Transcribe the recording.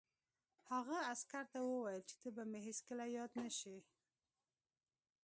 هغه عسکر ته وویل چې ته به مې هېڅکله یاد نه شې